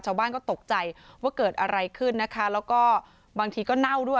ชาวบ้านก็ตกใจว่าเกิดอะไรขึ้นนะคะแล้วก็บางทีก็เน่าด้วย